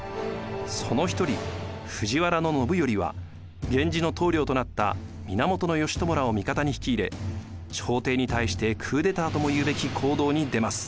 その一人藤原信頼は源氏の棟梁となった源義朝らを味方に引き入れ朝廷に対してクーデターともいうべき行動に出ます。